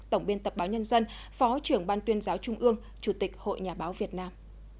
tổng biên tập báo nhân dân phó trưởng ban tuyên giáo trung ương chủ tịch hội nhà báo việt nam